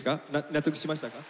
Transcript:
納得しましたか？